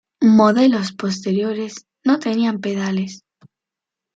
Modelos posteriores no tenían pedales.